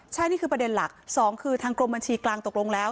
ใช่นี่คือประเด็นหลักสองคือทางกรมบัญชีกลางตกลงแล้ว